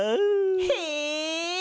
へえ！